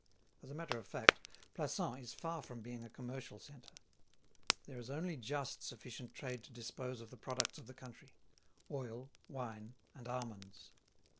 As a matter of fact, Plassans is far from being a commercial centre; there is only just sufficient trade to dispose of the products of the country—oil, wine, and almonds.